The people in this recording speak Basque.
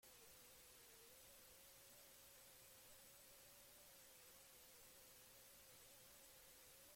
Euskaldun talde handia zegoen han, euskararen aldekoa.